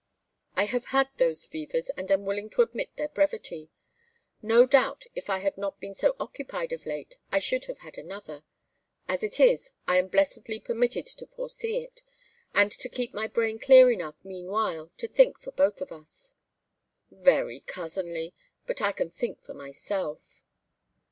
I have had those fevers, and am willing to admit their brevity. No doubt if I had not been so occupied of late I should have had another. As it is, I am blessedly permitted to foresee it; and to keep my brain clear enough meanwhile to think for both of us." "Very cousinly, but I can think for myself."